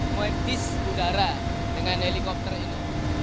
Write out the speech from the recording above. untuk menghentis udara dengan helikopter ini